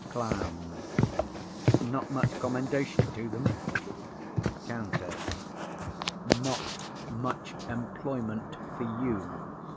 CLOWN. Not much commendation to them? COUNTESS. Not much employment for you.